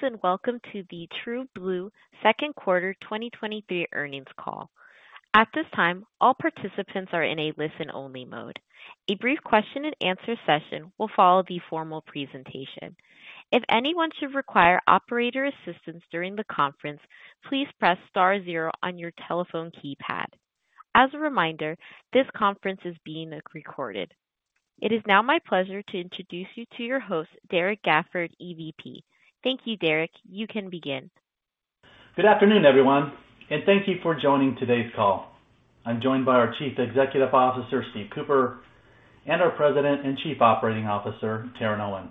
Greetings, and welcome to the TrueBlue 2nd quarter 2023 earnings call. At this time, all participants are in a listen-only mode. A brief question and answer session will follow the formal presentation. If anyone should require operator assistance during the conference, please press star 0 on your telephone keypad. As a reminder, this conference is being recorded. It is now my pleasure to introduce you to your host, Derrek Gafford, EVP. Thank you, Derrek. You can begin. Good afternoon, everyone, and thank you for joining today's call. I'm joined by our Chief Executive Officer, Steve Cooper, and our President and Chief Operating Officer, Taryn Owen.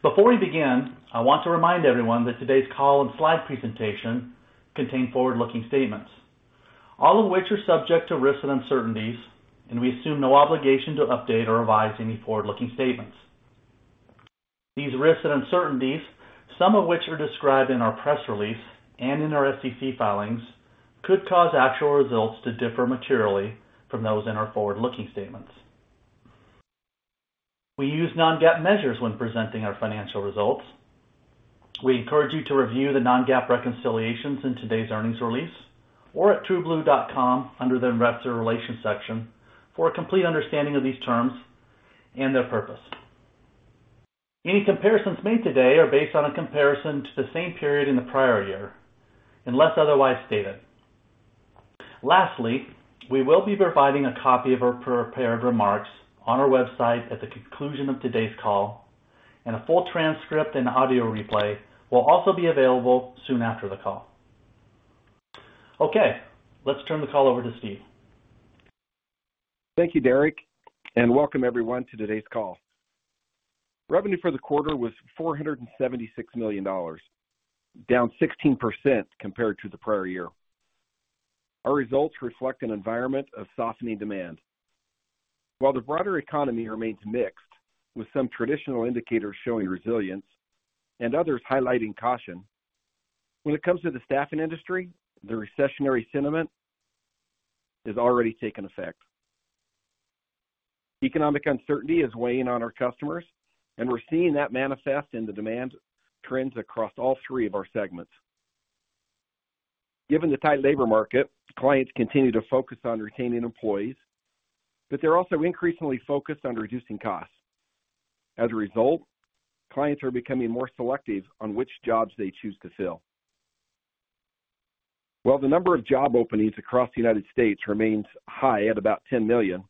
Before we begin, I want to remind everyone that today's call and slide presentation contain forward-looking statements, all of which are subject to risks and uncertainties, and we assume no obligation to update or revise any forward-looking statements. These risks and uncertainties, some of which are described in our press release and in our SEC filings, could cause actual results to differ materially from those in our forward-looking statements. We use Non-GAAP measures when presenting our financial results. We encourage you to review the Non-GAAP reconciliations in today's earnings release or at trueblue.com under the Investor Relations section, for a complete understanding of these terms and their purpose. Any comparisons made today are based on a comparison to the same period in the prior year, unless otherwise stated. Lastly, we will be providing a copy of our prepared remarks on our website at the conclusion of today's call, and a full transcript and audio replay will also be available soon after the call. Okay, let's turn the call over to Steve. Thank you, Derrek, and welcome everyone to today's call. Revenue for the quarter was $476 million, down 16% compared to the prior year. Our results reflect an environment of softening demand. While the broader economy remains mixed, with some traditional indicators showing resilience and others highlighting caution, when it comes to the staffing industry, the recessionary sentiment has already taken effect. Economic uncertainty is weighing on our customers, and we're seeing that manifest in the demand trends across all three of our segments. Given the tight labor market, clients continue to focus on retaining employees, but they're also increasingly focused on reducing costs. As a result, clients are becoming more selective on which jobs they choose to fill. While the number of job openings across the United States remains high at about 10 million,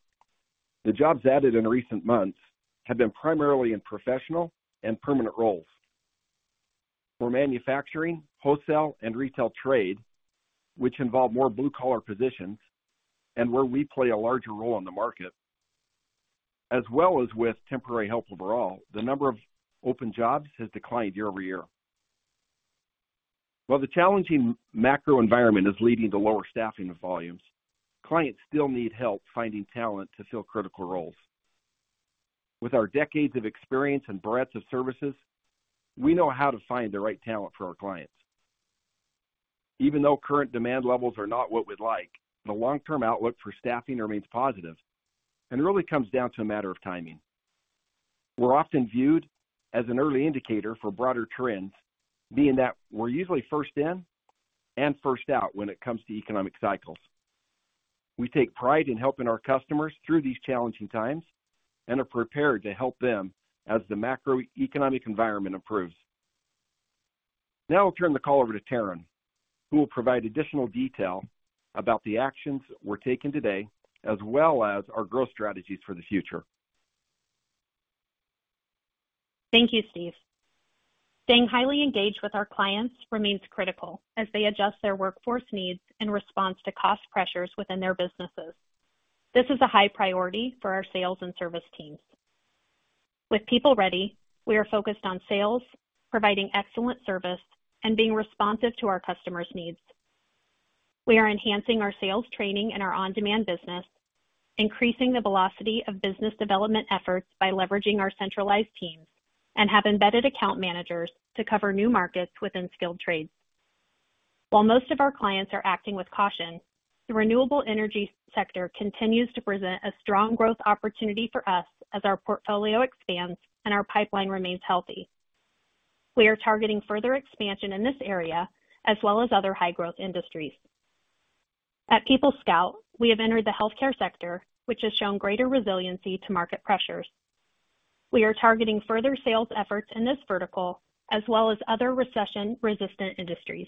the jobs added in recent months have been primarily in professional and permanent roles. For manufacturing, wholesale, and retail trade, which involve more blue-collar positions and where we play a larger role in the market, as well as with temporary help overall, the number of open jobs has declined year-over-year. While the challenging macro environment is leading to lower staffing volumes, clients still need help finding talent to fill critical roles. With our decades of experience and breadth of services, we know how to find the right talent for our clients. Even though current demand levels are not what we'd like, the long-term outlook for staffing remains positive and really comes down to a matter of timing. We're often viewed as an early indicator for broader trends, being that we're usually first in and first out when it comes to economic cycles. We take pride in helping our customers through these challenging times and are prepared to help them as the macroeconomic environment improves. I'll turn the call over to Taryn, who will provide additional detail about the actions we're taking today, as well as our growth strategies for the future. Thank you, Steve. Staying highly engaged with our clients remains critical as they adjust their workforce needs in response to cost pressures within their businesses. This is a high priority for our sales and service teams. With PeopleReady, we are focused on sales, providing excellent service, and being responsive to our customers' needs. We are enhancing our sales training and our on-demand business, increasing the velocity of business development efforts by leveraging our centralized teams, and have embedded account managers to cover new markets within skilled trades. While most of our clients are acting with caution, the renewable energy sector continues to present a strong growth opportunity for us as our portfolio expands and our pipeline remains healthy. We are targeting further expansion in this area, as well as other high-growth industries. At PeopleScout, we have entered the healthcare sector, which has shown greater resiliency to market pressures. We are targeting further sales efforts in this vertical, as well as other recession-resistant industries.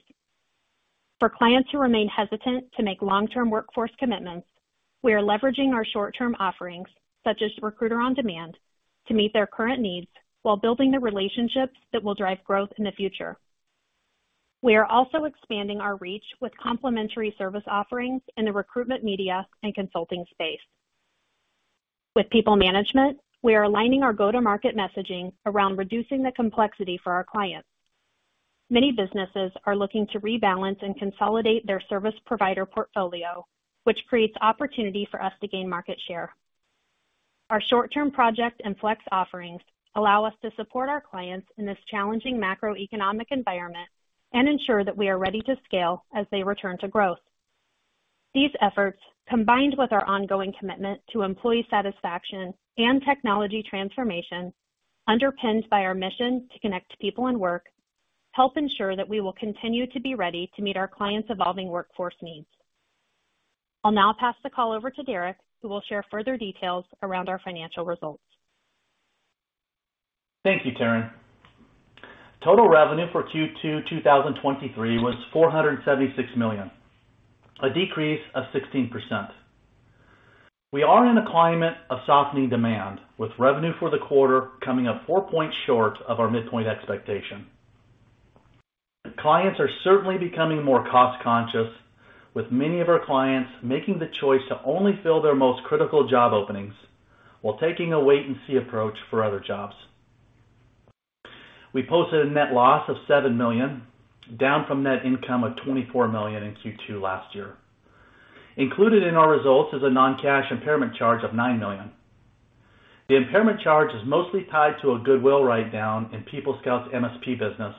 For clients who remain hesitant to make long-term workforce commitments, we are leveraging our short-term offerings, such as Recruiter On Demand, to meet their current needs while building the relationships that will drive growth in the future. We are also expanding our reach with complementary service offerings in the recruitment, media, and consulting space. With PeopleManagement, we are aligning our go-to-market messaging around reducing the complexity for our clients. Many businesses are looking to rebalance and consolidate their service provider portfolio, which creates opportunity for us to gain market share. Our short-term project and flex offerings allow us to support our clients in this challenging macroeconomic environment and ensure that we are ready to scale as they return to growth. These efforts, combined with our ongoing commitment to employee satisfaction and technology transformation, underpinned by our mission to connect people and work, help ensure that we will continue to be ready to meet our clients' evolving workforce needs. I'll now pass the call over to Derrek, who will share further details around our financial results. Thank you, Taryn. Total revenue for Q2 2023 was $476 million, a decrease of 16%. We are in a climate of softening demand, with revenue for the quarter coming up 4 points short of our midpoint expectation. Clients are certainly becoming more cost-conscious, with many of our clients making the choice to only fill their most critical job openings while taking a wait-and-see approach for other jobs. We posted a net loss of $7 million, down from net income of $24 million in Q2 last year. Included in our results is a non-cash impairment charge of $9 million. The impairment charge is mostly tied to a goodwill write-down in PeopleScout's MSP business,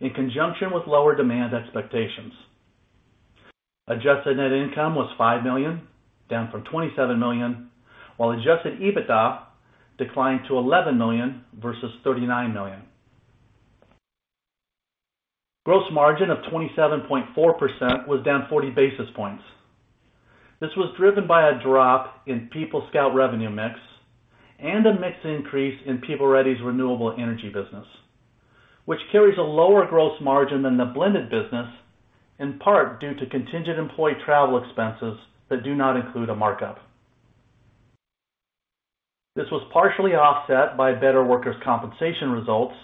in conjunction with lower demand expectations. Adjusted net income was $5 million, down from $27 million, while adjusted EBITDA declined to $11 million versus $39 million. Gross margin of 27.4% was down 40 basis points. This was driven by a drop in PeopleScout revenue mix and a mix increase in PeopleReady's renewable energy business, which carries a lower gross margin than the blended business, in part due to contingent employee travel expenses that do not include a markup. This was partially offset by better workers' compensation results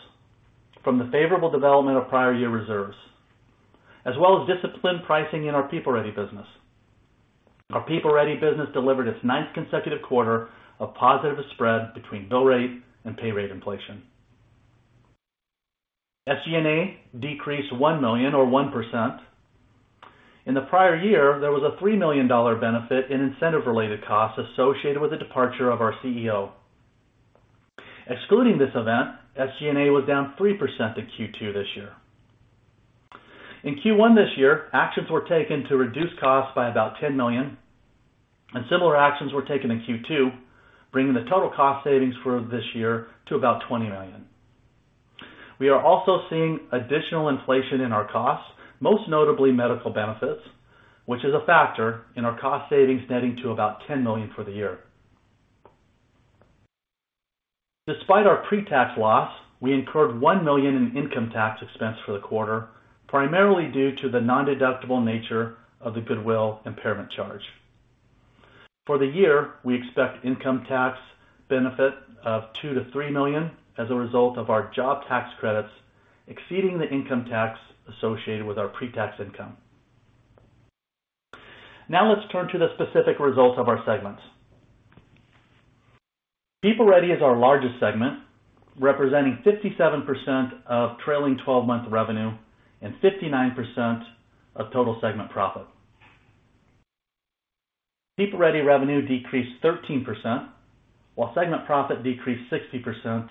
from the favorable development of prior year reserves, as well as disciplined pricing in our PeopleReady business. Our PeopleReady business delivered its ninth consecutive quarter of positive spread between bill rate and pay rate inflation. SG&A decreased $1 million or 1%. In the prior year, there was a $3 million benefit in incentive-related costs associated with the departure of our CEO. Excluding this event, SG&A was down 3% in Q2 this year. In Q1 this year, actions were taken to reduce costs by about $10 million, and similar actions were taken in Q2, bringing the total cost savings for this year to about $20 million. We are also seeing additional inflation in our costs, most notably medical benefits, which is a factor in our cost savings, netting to about $10 million for the year. Despite our pretax loss, we incurred $1 million in income tax expense for the quarter, primarily due to the nondeductible nature of the goodwill impairment charge. For the year, we expect income tax benefit of $2 million-$3 million as a result of our job tax credits exceeding the income tax associated with our pretax income. Let's turn to the specific results of our segments. PeopleReady is our largest segment, representing 57% of trailing twelve-month revenue and 59% of total segment profit. PeopleReady revenue decreased 13%, while segment profit decreased 60%,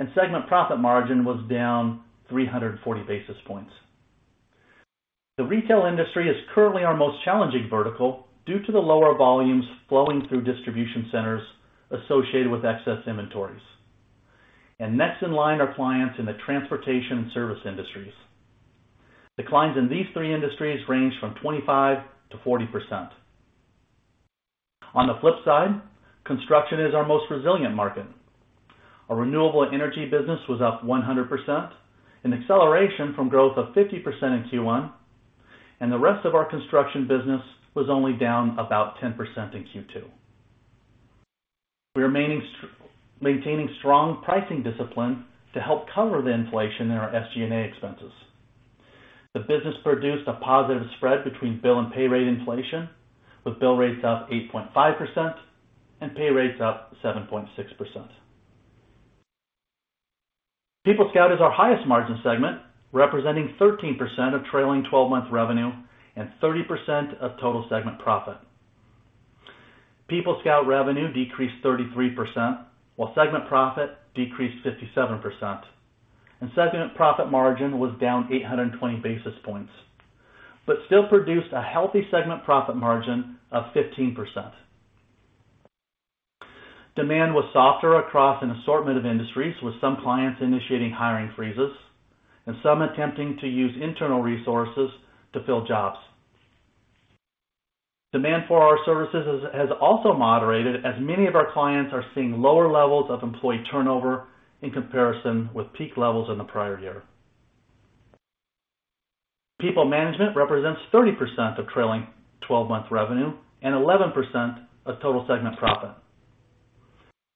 and segment profit margin was down 340 basis points. The retail industry is currently our most challenging vertical due to the lower volumes flowing through distribution centers associated with excess inventories. Next in line are clients in the transportation and service industries. Declines in these three industries range from 25%-40%. On the flip side, construction is our most resilient market. Our renewable energy business was up 100%, an acceleration from growth of 50% in Q1, and the rest of our construction business was only down about 10% in Q2. We're maintaining strong pricing discipline to help cover the inflation in our SG&A expenses. The business produced a positive spread between bill and pay rate inflation, with bill rates up 8.5% and pay rates up 7.6%. PeopleScout is our highest margin segment, representing 13% of trailing twelve-month revenue and 30% of total segment profit. PeopleScout revenue decreased 33%, while segment profit decreased 57%, and segment profit margin was down 820 basis points, but still produced a healthy segment profit margin of 15%. Demand was softer across an assortment of industries, with some clients initiating hiring freezes and some attempting to use internal resources to fill jobs. Demand for our services has also moderated, as many of our clients are seeing lower levels of employee turnover in comparison with peak levels in the prior year. People Management represents 30% of trailing twelve-month revenue and 11% of total segment profit.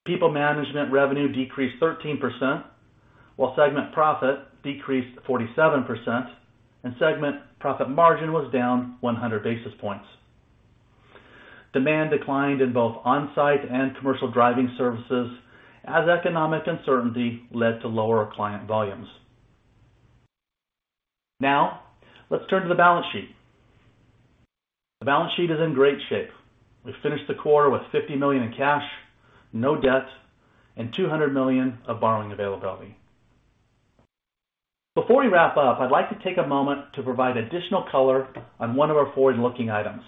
People Management revenue decreased 13%, while segment profit decreased 47%, and segment profit margin was down 100 basis points. Demand declined in both onsite and commercial driving services as economic uncertainty led to lower client volumes. Let's turn to the balance sheet. The balance sheet is in great shape. We finished the quarter with $50 million in cash, no debt, and $200 million of borrowing availability. Before we wrap up, I'd like to take a moment to provide additional color on one of our forward-looking items.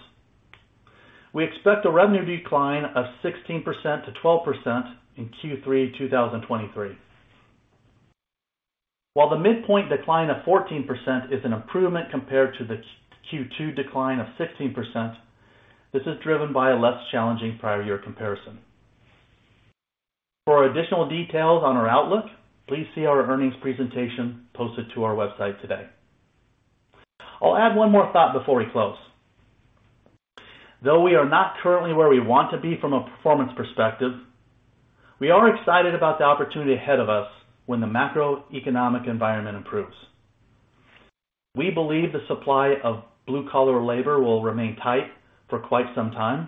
We expect a revenue decline of 16%-12% in Q3 2023. While the midpoint decline of 14% is an improvement compared to the Q2 decline of 16%, this is driven by a less challenging prior year comparison. For additional details on our outlook, please see our earnings presentation posted to our website today. I'll add one more thought before we close. Though we are not currently where we want to be from a performance perspective, we are excited about the opportunity ahead of us when the macroeconomic environment improves. We believe the supply of blue-collar labor will remain tight for quite some time,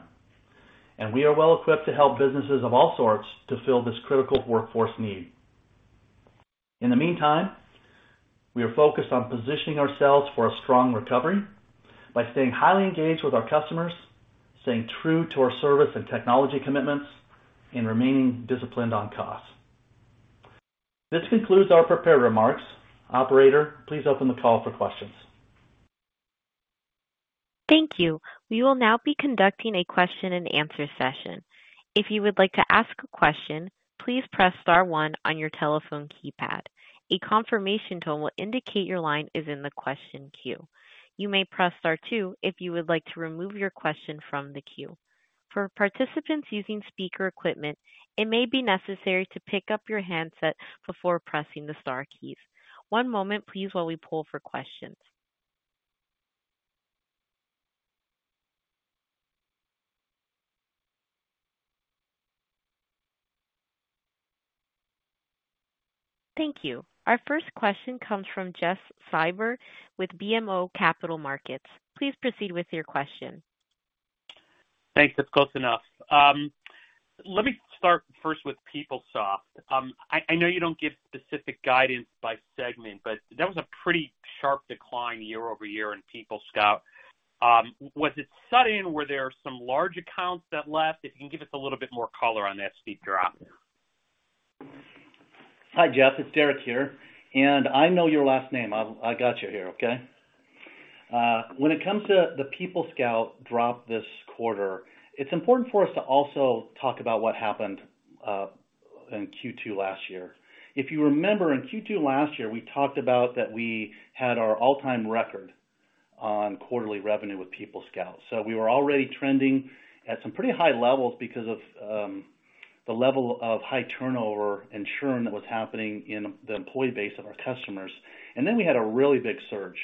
and we are well equipped to help businesses of all sorts to fill this critical workforce need. In the meantime, we are focused on positioning ourselves for a strong recovery by staying highly engaged with our customers, staying true to our service and technology commitments, and remaining disciplined on costs. This concludes our prepared remarks. Operator, please open the call for questions. Thank you. We will now be conducting a question-and-answer session. If you would like to ask a question, please press star one on your telephone keypad. A confirmation tone will indicate your line is in the question queue. You may press star two if you would like to remove your question from the queue. For participants using speaker equipment, it may be necessary to pick up your handset before pressing the star keys. One moment, please, while we pull for questions. Thank you. Our first question comes from Jeff Silber with BMO Capital Markets. Please proceed with your question. Thanks. That's close enough. Let me start first with PeopleScout. I know you don't give specific guidance by segment. That was a pretty sharp decline year-over-year in PeopleScout. Was it sudden? Were there some large accounts that left? If you can give us a little bit more color on that steep drop. Hi, Jeff, it's Derrek here, and I know your last name. I got you here, okay. When it comes to the PeopleScout drop this quarter, it's important for us to also talk about what happened in Q2 last year. If you remember, in Q2 last year, we talked about that we had our all-time record on quarterly revenue with PeopleScout. We were already trending at some pretty high levels because of the level of high turnover and churn that was happening in the employee base of our customers. We had a really big surge.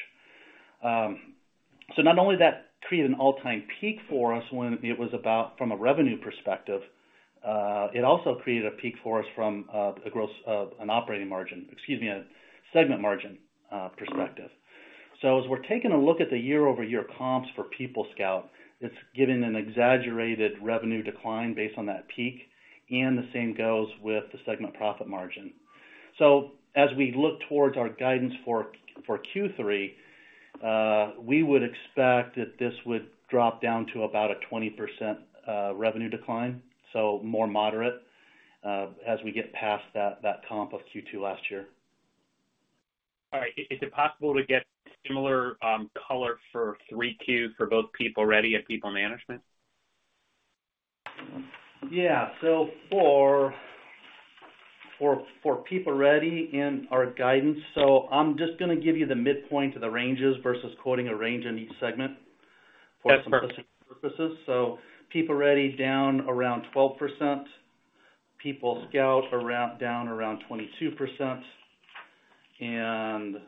Not only that created an all-time peak for us when it was about from a revenue perspective, it also created a peak for us from an operating margin, excuse me, a segment margin perspective. As we're taking a look at the year-over-year comps for PeopleScout, it's giving an exaggerated revenue decline based on that peak, and the same goes with the segment profit margin. As we look towards our guidance for Q3, we would expect that this would drop down to about a 20% revenue decline, so more moderate, as we get past that comp of Q2 last year. All right. Is it possible to get similar color for 3Q for both PeopleReady and PeopleManagement? Yeah. For PeopleReady and our guidance, I'm just gonna give you the midpoint of the ranges versus quoting a range in each segment- That's perfect. For purposes. PeopleReady down around 12%, PeopleScout down around 22%, and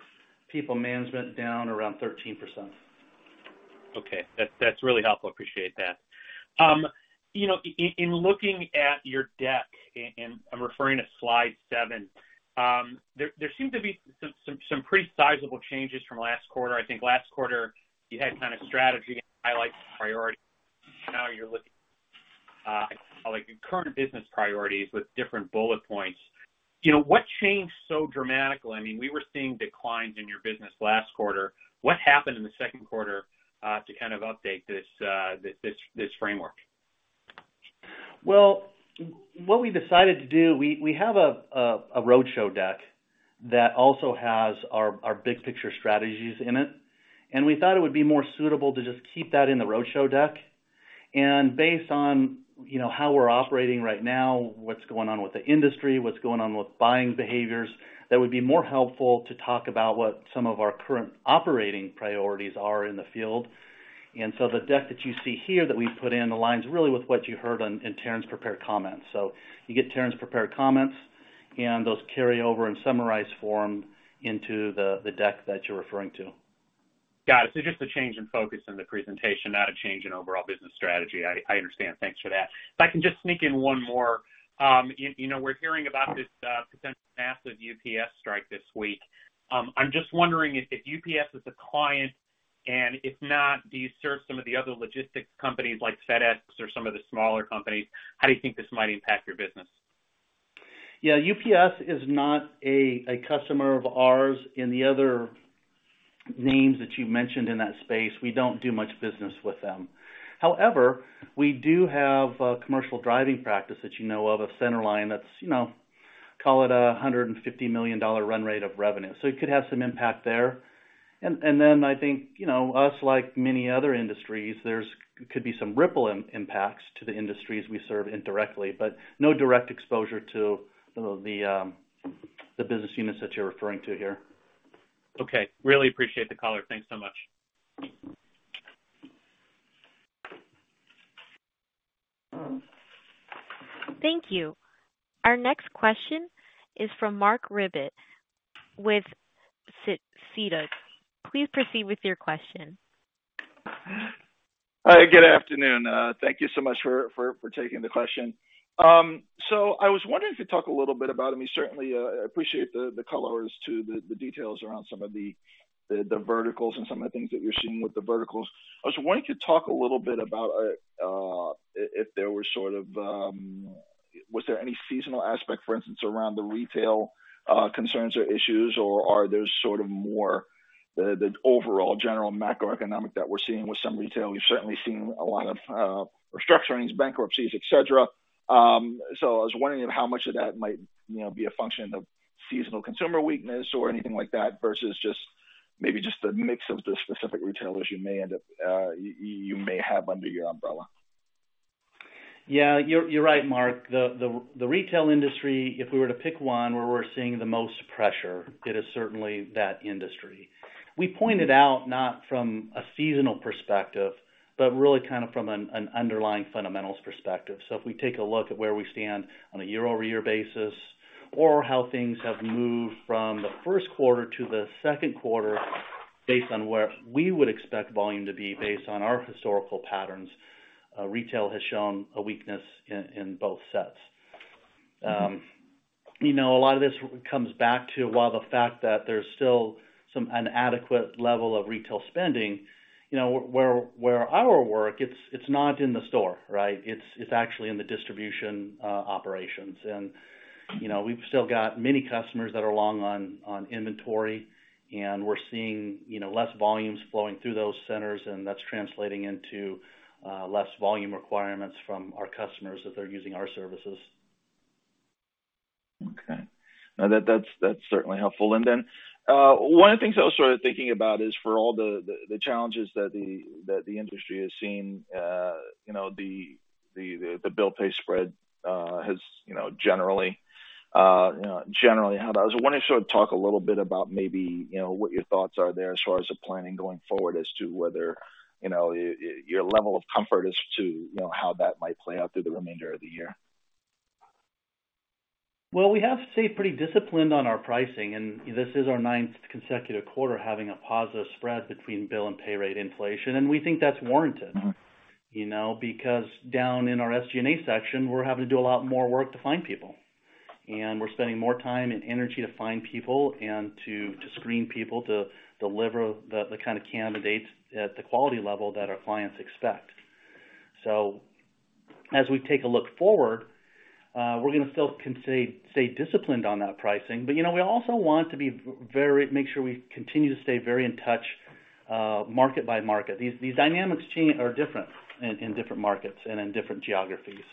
PeopleManagement down around 13%. Okay. That's really helpful. Appreciate that. You know, in looking at your deck, and I'm referring to slide 7, there seemed to be some pretty sizable changes from last quarter. I think last quarter you had kind of strategy highlights, priority. Now you're looking like current business priorities with different bullet points. You know, what changed so dramatically? I mean, we were seeing declines in your business last quarter. What happened in the second quarter to kind of update this framework? What we decided to do. We have a roadshow deck that also has our big picture strategies in it, and we thought it would be more suitable to just keep that in the roadshow deck. Based on, you know, how we're operating right now, what's going on with the industry, what's going on with buying behaviors, that would be more helpful to talk about what some of our current operating priorities are in the field. The deck that you see here, that we've put in, aligns really with what you heard in Taryn Owen's prepared comments. You get Taryn Owen's prepared comments, and those carry over in summarized form into the deck that you're referring to. Got it. Just a change in focus in the presentation, not a change in overall business strategy. I understand. Thanks for that. If I can just sneak in one more. You know, we're hearing about this potential massive UPS strike this week. I'm just wondering if UPS is a client, and if not, do you serve some of the other logistics companies like FedEx or some of the smaller companies? How do you think this might impact your business? Yeah, UPS is not a customer of ours, the names that you mentioned in that space, we don't do much business with them. However, we do have a commercial driving practice that you know of, a Centerline Drivers that's, you know, call it a $150 million run rate of revenue. It could have some impact there. Then I think, you know, us, like many other industries, there's could be some ripple impacts to the industries we serve indirectly, but no direct exposure to the business units that you're referring to here. Okay. Really appreciate the color. Thanks so much. Thank you. Our next question is from Marc Riddick with Sidoti. Please proceed with your question. Hi, good afternoon. Thank you so much for taking the question. I was wondering if you talk a little bit about, I mean, certainly, I appreciate the colors to the details around some of the verticals and some of the things that you're seeing with the verticals. I was wondering if you talk a little bit about, if there were sort of, was there any seasonal aspect, for instance, around the retail concerns or issues, or are those sort of more the overall general macroeconomic that we're seeing with some retail? We've certainly seen a lot of restructurings, bankruptcies, et cetera. I was wondering how much of that might, you know, be a function of seasonal consumer weakness or anything like that, versus maybe just a mix of the specific retailers you may end up, you may have under your umbrella. Yeah, you're right, Marc. The retail industry, if we were to pick one, where we're seeing the most pressure, it is certainly that industry. We pointed out, not from a seasonal perspective, but really kind of from an underlying fundamentals perspective. If we take a look at where we stand on a year-over-year basis, or how things have moved from the first quarter to the second quarter, based on where we would expect volume to be based on our historical patterns, retail has shown a weakness in both sets. You know, a lot of this comes back to, while the fact that there's still some an adequate level of retail spending, you know, where our work, it's not in the store, right? It's actually in the distribution operations.bYou know, we've still got many customers that are long on inventory, and we're seeing, you know, less volumes flowing through those centers, and that's translating into less volume requirements from our customers as they're using our services. Okay. Now, that's certainly helpful. One of the things I was sort of thinking about is for all the challenges that the industry has seen, you know, the bill-pay spread has, you know, generally had. I was wondering if you could talk a little bit about maybe, you know, what your thoughts are there as far as the planning going forward as to whether, you know, your level of comfort as to, you know, how that might play out through the remainder of the year. Well, we have to stay pretty disciplined on our pricing, and this is our ninth consecutive quarter, having a positive spread between bill and pay rate inflation, and we think that's warranted. You know, because down in our SG&A section, we're having to do a lot more work to find people, and we're spending more time and energy to find people and to screen people, to deliver the kind of candidates at the quality level that our clients expect. As we take a look forward, we're going to still stay disciplined on that pricing. You know, we also want to be very make sure we continue to stay very in touch, market by market. These dynamics are different in different markets and in different geographies,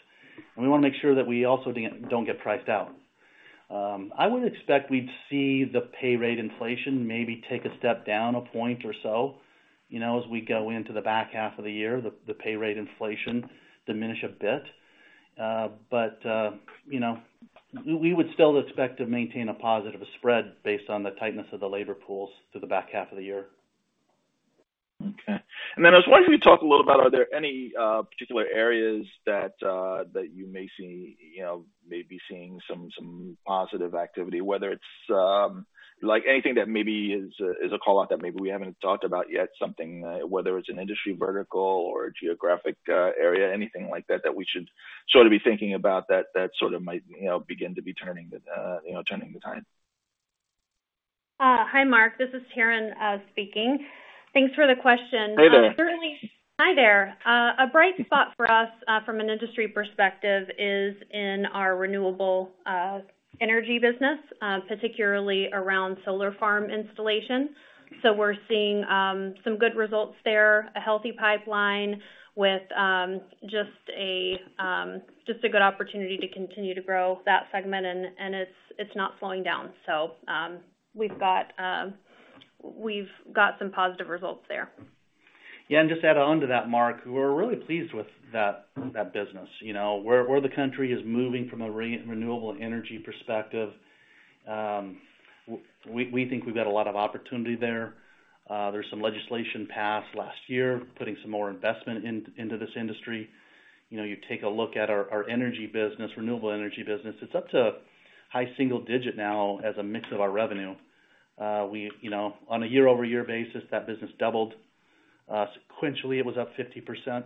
and we want to make sure that we also don't get priced out. I would expect we'd see the pay rate inflation, maybe take a step down a point or so. You know, as we go into the back half of the year, the pay rate inflation diminish a bit. You know, we would still expect to maintain a positive spread based on the tightness of the labor pools to the back half of the year. Okay. Then I was wondering if you talk a little about, are there any particular areas that you may see, you know, may be seeing some positive activity, whether it's like anything that maybe is a call out that maybe we haven't talked about yet, something, whether it's an industry vertical or a geographic area, anything like that we should sort of be thinking about, that sort of might, you know, begin to be turning the, you know, turning the time? Hi, Mark, this is Taryn, speaking. Thanks for the question. Hey there. Certainly. Hi there. A bright spot for us, from an industry perspective is in our renewable, energy business, particularly around solar farm installation. We're seeing some good results there, a healthy pipeline with just a good opportunity to continue to grow that segment, and it's not slowing down. We've got some positive results there. Yeah, just to add on to that, Mark, we're really pleased with that business. You know, where the country is moving from a renewable energy perspective, we think we've got a lot of opportunity there. There's some legislation passed last year, putting some more investment into this industry. You know, you take a look at our energy business, renewable energy business, it's up to high single digit now as a mix of our revenue. We, you know, on a year-over-year basis, that business doubled. Sequentially, it was up 50%.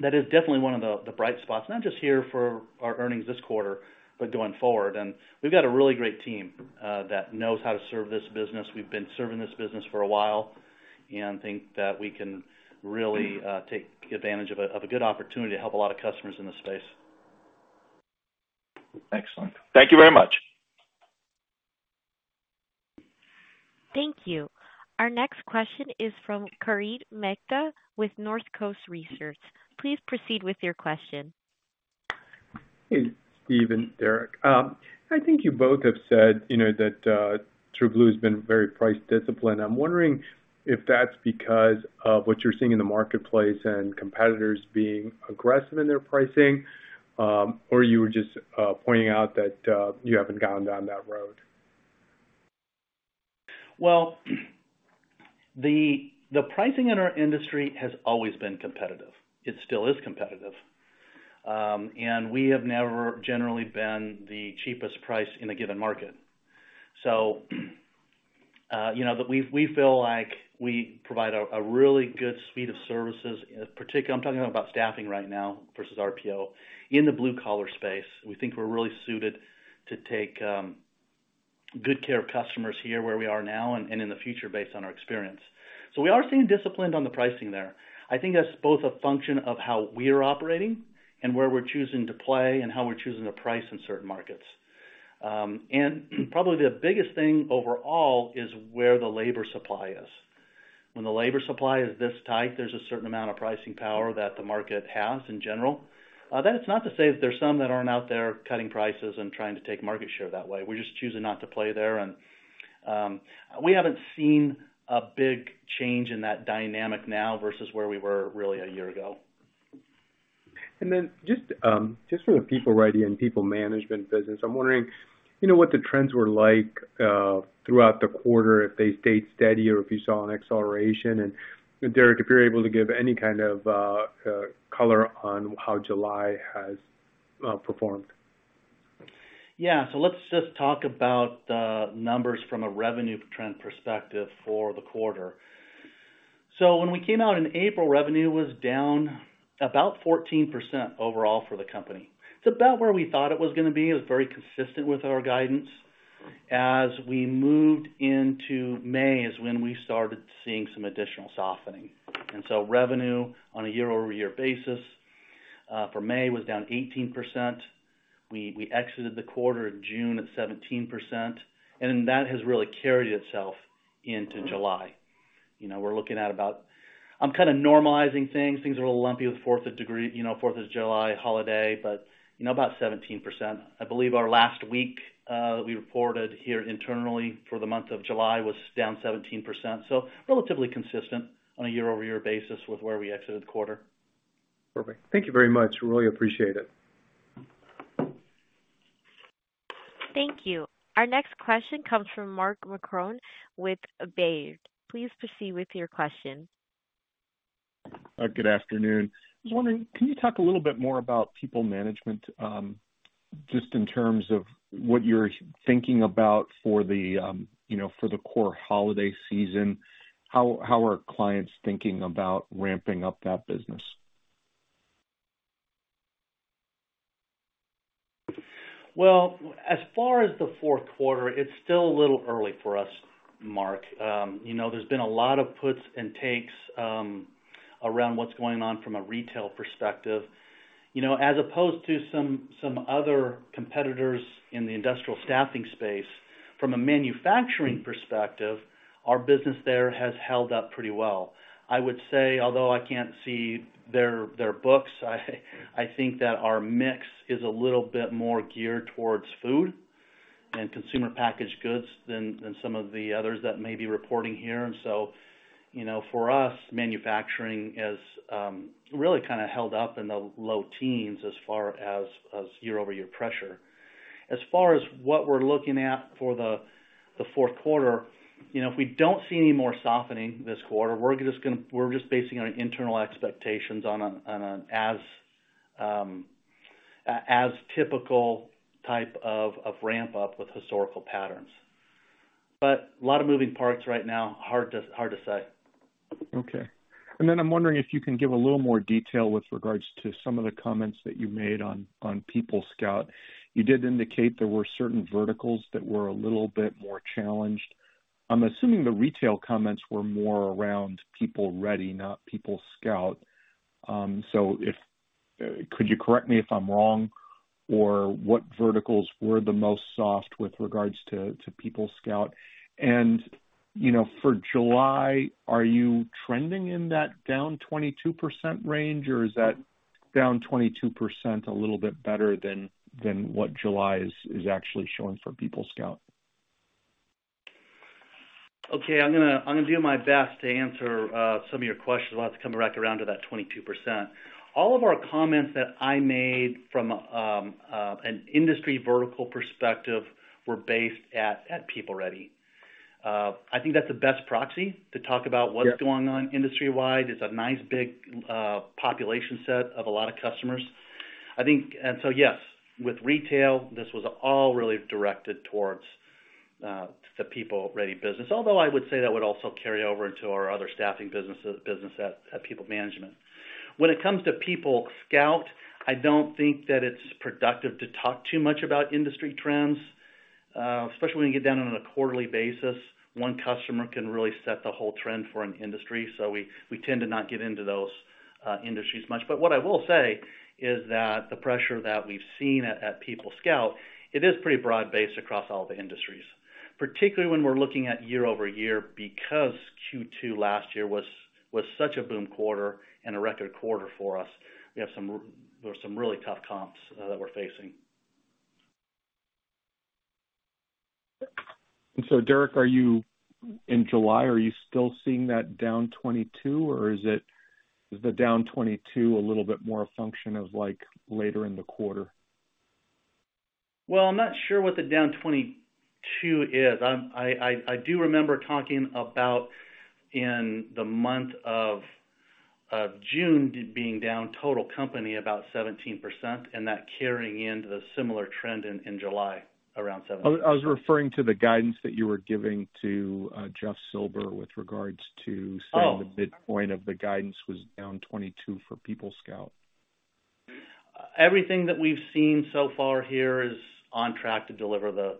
That is definitely one of the bright spots, not just here for our earnings this quarter, but going forward. We've got a really great team that knows how to serve this business. We've been serving this business for a while, and think that we can really, take advantage of a good opportunity to help a lot of customers in this space. Excellent. Thank you very much. Thank you. Our next question is from Kartik Mehta with Northcoast Research. Please proceed with your question. Hey, Steve and Derrek. I think you both have said, you know, that TrueBlue has been very price disciplined. I'm wondering if that's because of what you're seeing in the marketplace and competitors being aggressive in their pricing, or you were just pointing out that you haven't gone down that road? The pricing in our industry has always been competitive. It still is competitive. We have never generally been the cheapest price in a given market. You know, we feel like we provide a really good suite of services. I'm talking about staffing right now versus RPO. In the blue-collar space, we think we're really suited to take good care of customers here, where we are now and in the future, based on our experience. We are staying disciplined on the pricing there. I think that's both a function of how we're operating and where we're choosing to play and how we're choosing to price in certain markets. Probably the biggest thing overall is where the labor supply is. When the labor supply is this tight, there's a certain amount of pricing power that the market has in general. That is not to say that there are some that aren't out there cutting prices and trying to take market share that way. We're just choosing not to play there. We haven't seen a big change in that dynamic now versus where we were really a year ago. Just, just for the PeopleReady and PeopleManagement business, I'm wondering, you know, what the trends were like, throughout the quarter, if they stayed steady or if you saw an acceleration? Derrek, if you're able to give any kind of color on how July has performed. Yeah. Let's just talk about the numbers from a revenue trend perspective for the quarter. When we came out in April, revenue was down about 14% overall for the company. It's about where we thought it was gonna be. It was very consistent with our guidance. As we moved into May, is when we started seeing some additional softening. Revenue, on a year-over-year basis, for May, was down 18%. We exited the quarter of June at 17%. That has really carried itself into July. You know, we're looking at about. I'm kind of normalizing things. Things are a little lumpy with Fourth of July, you know, Fourth of July holiday, but, you know, about 17%. I believe our last week, we reported here internally for the month of July, was down 17%, so relatively consistent on a year-over-year basis with where we exited the quarter. Perfect. Thank you very much. We really appreciate it. Thank you. Our next question comes from Mark Marcon with Baird. Please proceed with your question. Good afternoon. I was wondering, can you talk a little bit more about PeopleManagement, just in terms of what you're thinking about for the, you know, for the core holiday season? How are clients thinking about ramping up that business? Well, as far as the fourth quarter, it's still a little early for us, Mark. You know, there's been a lot of puts and takes around what's going on from a retail perspective. You know, as opposed to some other competitors in the industrial staffing space, from a manufacturing perspective, our business there has held up pretty well. I would say, although I can't see their books, I think that our mix is a little bit more geared towards food and consumer packaged goods than some of the others that may be reporting here. You know, for us, manufacturing is really kind of held up in the low teens as far as year-over-year pressure. As far as what we're looking at for the fourth quarter, you know, if we don't see any more softening this quarter, we're just basing on internal expectations on an as typical type of ramp-up with historical patterns. A lot of moving parts right now, hard to say. Okay. Then I'm wondering if you can give a little more detail with regards to some of the comments that you made on PeopleScout. You did indicate there were certain verticals that were a little bit more challenged. I'm assuming the retail comments were more around PeopleReady, not PeopleScout. Could you correct me if I'm wrong, or what verticals were the most soft with regards to PeopleScout? You know, for July, are you trending in that down 22% range, or is that down 22% a little bit better than what July is actually showing for PeopleScout? Okay. I'm gonna do my best to answer some of your questions. I'll have to come back around to that 22%. All of our comments that I made from an industry vertical perspective were based at PeopleReady. I think that's the best proxy to talk about. Yep. What is going on industry-wide. It's a nice, big, population set of a lot of customers. I think. Yes, with retail, this was all really directed towards the PeopleReady business, although I would say that would also carry over into our other staffing businesses at PeopleManagement. When it comes to PeopleScout, I don't think that it's productive to talk too much about industry trends. Especially when you get down on a quarterly basis, one customer can really set the whole trend for an industry. We tend to not get into those industries much. What I will say is that the pressure that we've seen at PeopleScout, it is pretty broad-based across all the industries, particularly when we're looking at year-over-year, because Q2 last year was such a boom quarter and a record quarter for us. There are some really tough comps that we're facing. Derek, are you in July, are you still seeing that down 22, or is the down 22 a little bit more a function of like, later in the quarter? I'm not sure what the down 22% is. I do remember talking about in the month of June being down total company about 17%, and that carrying into the similar trend in July, around 17%. I was referring to the guidance that you were giving to Jeff Silber, with regards to- saying the midpoint of the guidance was down 22 for PeopleScout. Everything that we've seen so far here is on track to deliver the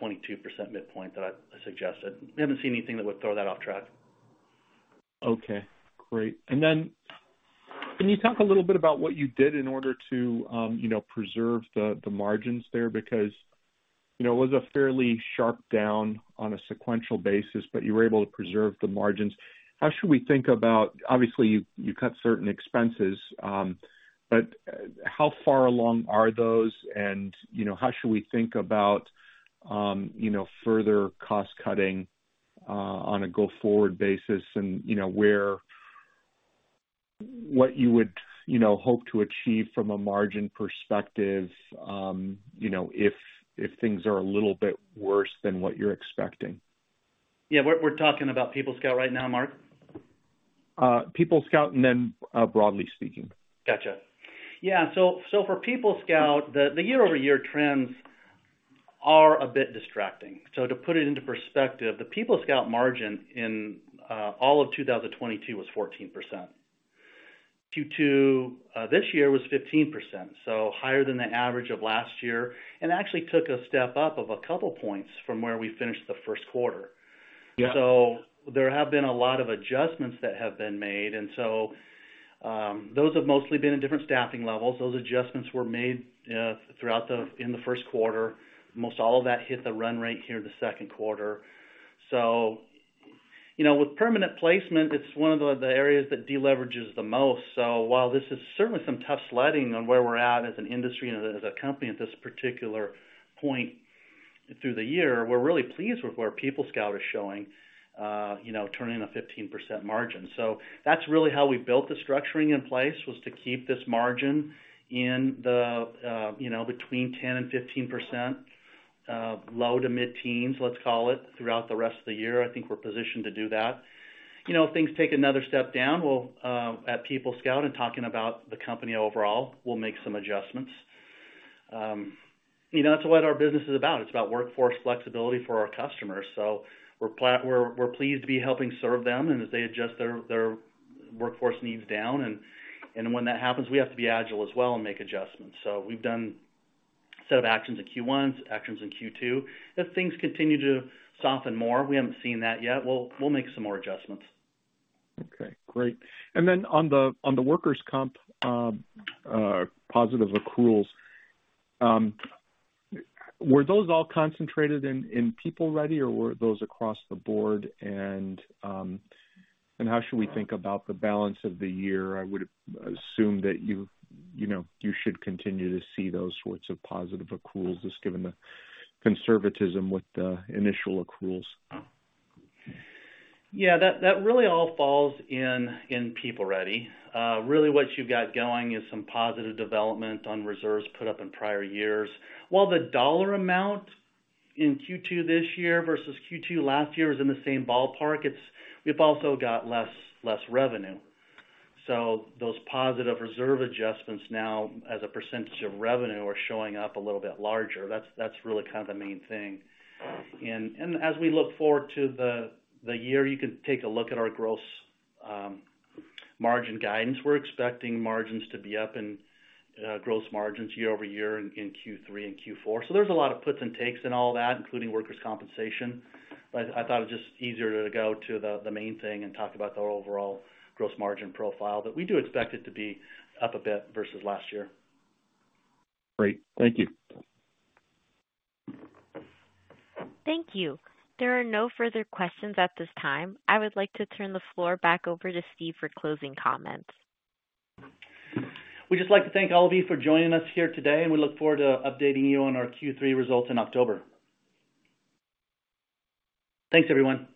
22% midpoint that I suggested. We haven't seen anything that would throw that off track. Okay, great. Can you talk a little bit about what you did in order to, you know, preserve the margins there? You know, it was a fairly sharp down on a sequential basis, but you were able to preserve the margins. How should we think about? Obviously, you cut certain expenses, but how far along are those? You know, how should we think about, you know, further cost-cutting on a go-forward basis, and, you know, what you would, you know, hope to achieve from a margin perspective, you know, if things are a little bit worse than what you're expecting? Yeah, we're talking about PeopleScout right now, Mark? PeopleScout, and then, broadly speaking. Gotcha. Yeah, for PeopleScout, the year-over-year trends are a bit distracting. To put it into perspective, the PeopleScout margin in all of 2022 was 14%. Q2 this year was 15%, higher than the average of last year, actually took a step up of a couple points from where we finished the first quarter. Yeah. There have been a lot of adjustments that have been made, and so, those have mostly been in different staffing levels. Those adjustments were made throughout the first quarter. Almost all of that hit the run rate here in the second quarter. You know, with permanent placement, it's one of the areas that deleverages the most. While this is certainly some tough sledding on where we're at as an industry and as a company at this particular point through the year, we're really pleased with where PeopleScout is showing, you know, turning a 15% margin. That's really how we built the structuring in place, was to keep this margin in the, you know, between 10% and 15%, low to mid-teens, let's call it, throughout the rest of the year. I think we're positioned to do that. You know, if things take another step down, we'll at PeopleScout and talking about the company overall, we'll make some adjustments. You know, that's what our business is about. It's about workforce flexibility for our customers. We're pleased to be helping serve them and as they adjust their workforce needs down, and when that happens, we have to be agile as well and make adjustments. We've done a set of actions in Q1, actions in Q2. If things continue to soften more, we haven't seen that yet, we'll make some more adjustments. Okay, great. On the workers' comp positive accruals, were those all concentrated in PeopleReady, or were those across the board? How should we think about the balance of the year? I would assume that you know, you should continue to see those sorts of positive accruals, just given the conservatism with the initial accruals. Yeah, that really all falls in PeopleReady. Really, what you've got going is some positive development on reserves put up in prior years. While the dollar amount in Q2 this year versus Q2 last year is in the same ballpark, we've also got less revenue. Those positive reserve adjustments now, as a % of revenue, are showing up a little bit larger. That's really kind of the main thing. As we look forward to the year, you can take a look at our gross margin guidance. We're expecting margins to be up gross margins year-over-year in Q3 and Q4. There's a lot of puts and takes in all that, including workers' compensation. I thought it was just easier to go to the main thing and talk about the overall gross margin profile, but we do expect it to be up a bit versus last year. Great. Thank you. Thank you. There are no further questions at this time. I would like to turn the floor back over to Steve for closing comments. We'd just like to thank all of you for joining us here today, and we look forward to updating you on our Q3 results in October. Thanks, everyone.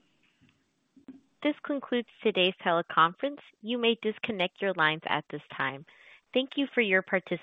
This concludes today's teleconference. You may disconnect your lines at this time. Thank you for your participation.